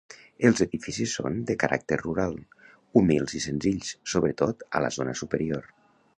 Els edificis són, de caràcter rural, humils i senzills, sobretot a la zona superior.